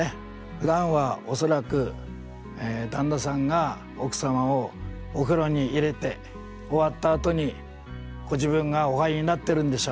ふだんは恐らく旦那さんが奥様をお風呂に入れて終わったあとにご自分がお入りになってるんでしょう。